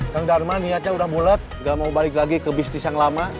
kang darma niatnya udah mulet gak mau balik lagi ke bisnis yang lama